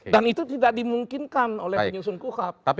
dan itu tidak dimungkinkan oleh penyusun kukap